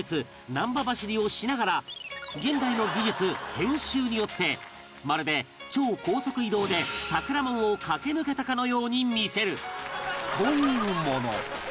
ナンバ走りをしながら現代の技術編集によってまるで超高速移動で桜門を駆け抜けたかのように見せる！というもの